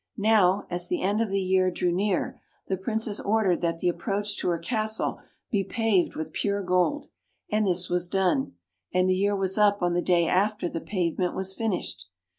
Now, as the end of the year drew near, the Princess ordered that the approach to her castle be paved with pure gold. And this was done. And the year was up on the day after the pavement was finished.